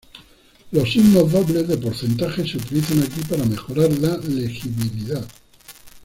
Los signos dobles de porcentaje se utilizan aquí para mejorar la legibilidad.